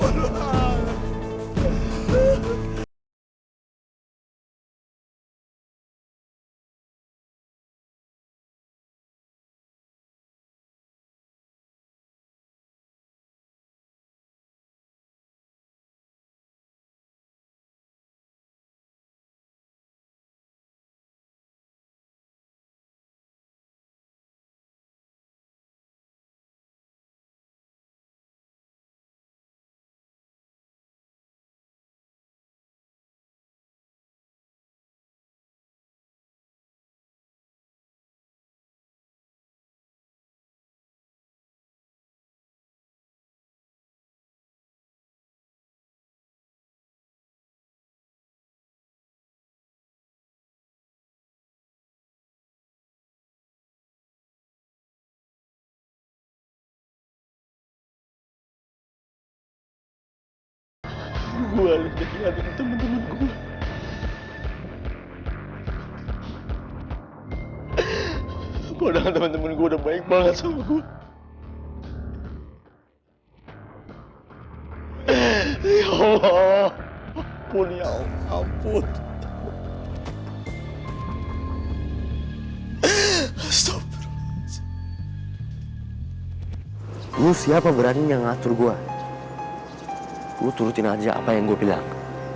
lo turutin aja apa yang gue bilang